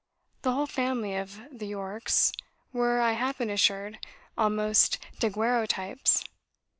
The whole family of the Yorkes were, I have been assured, almost daguerreotypes.